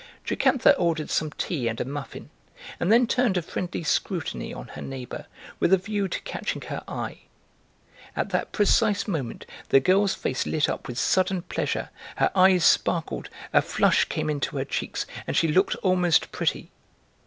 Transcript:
Jocantha ordered some tea and a muffin, and then turned a friendly scrutiny on her neighbour with a view to catching her eye. At that precise moment the girl's face lit up with sudden pleasure, her eyes sparkled, a flush came into her cheeks, and she looked almost pretty.